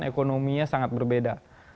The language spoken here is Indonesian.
ekonominya sangat berbeda